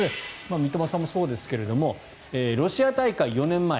三笘さんもそうですがロシア大会４年前。